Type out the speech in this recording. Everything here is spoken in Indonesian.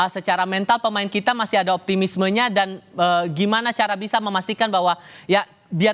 secara mental pemain kita masih ada optimismenya dan gimana cara bisa memastikan bahwa ya biarkan pertandingan sebelumnya menjadi berhasil